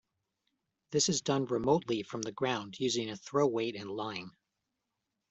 This is done remotely from the ground utilizing a throw weight and line.